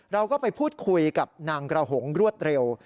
เราก็ไปพูดคุยกับนางกระหงรวดเร็ว